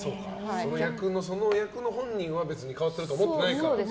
その役の本人は別に変わってると思ってないか。